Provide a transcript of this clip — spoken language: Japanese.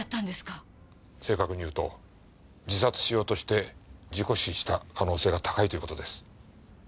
正確に言うと自殺しようとして事故死した可能性が高いという事です。